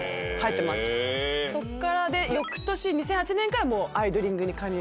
そっからよくとし２００８年からアイドリング！！！に加入して。